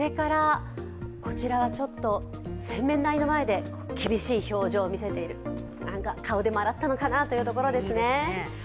こちらは、ちょっと洗面台の前で厳しい表情を見せている顔でも洗ったのかなというところですね。